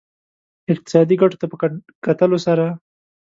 اقتصادي ګټو ته په کتلو سره.